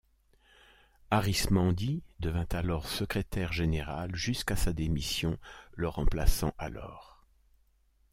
Arismendi devint alors secrétaire général jusqu'à sa démission, le remplaçant alors.